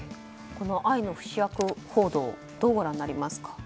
愛の不死薬報道どうご覧になりますか？